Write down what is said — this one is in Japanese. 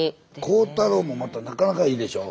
浩太朗もまたなかなかいいでしょ。